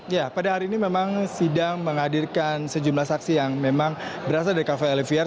ya pada hari ini memang sidang menghadirkan sejumlah saksi yang memang berasal dari cafe olivier